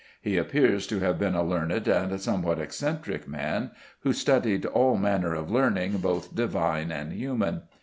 He appears to have been a learned and somewhat eccentric man, who studied "all manner of learning, both divine and human."